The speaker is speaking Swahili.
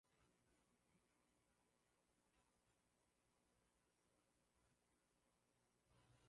dio france international tunakutanzazia moja kwa moja kutoka dar es salaam tanzania